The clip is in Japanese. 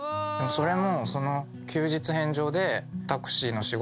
それも。